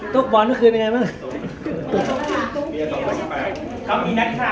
ตุ๊กบอลเมื่อคืนยังไงบ้าง